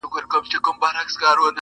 • جهاني پر هغه دښته مي سفر سو -